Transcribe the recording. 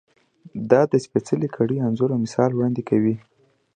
دا د سپېڅلې کړۍ انځور او مثال وړاندې کوي.